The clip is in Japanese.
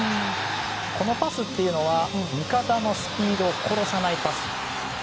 このパスというのは味方のスピードを殺さないパス。